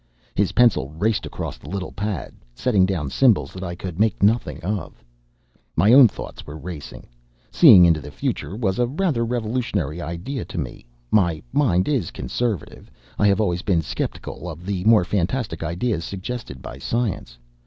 His pencil raced across the little pad, setting down symbols that I could make nothing of. My own thoughts were racing. Seeing into the future was a rather revolutionary idea to me. My mind is conservative; I have always been sceptical of the more fantastic ideas suggested by science.